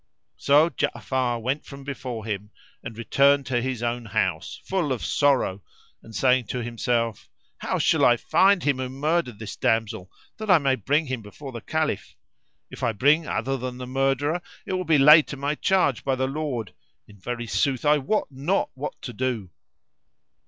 So Ja'afar went out from before him and returned to his own house, full of sorrow and saying to himself, "How shall I find him who murdered this damsel, that I may bring him before the Caliph? If I bring other than the murderer, it will be laid to my charge by the Lord: in very sooth I wot not what to do."